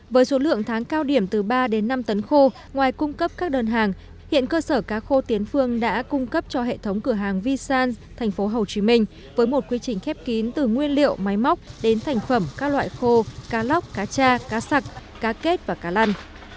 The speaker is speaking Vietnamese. với số lượng tháng cao điểm từ ba đến năm tấn khô ngoài cung cấp các đơn hàng hiện cơ sở cá khô tiến phương đã cung cấp cho hệ thống cửa hàng v san tp hcm với một quy trình khép kín từ nguyên liệu máy móc đến thành phẩm các loại khô cá lóc cá cha cá sặc cá kết và cá lăn